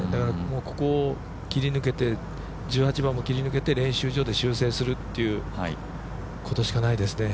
ここを切り抜けて１８番も切り抜けて練習場で練習するっていうことしかないですね。